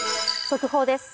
速報です。